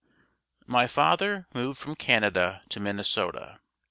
My father moved from Canada to Minnesota.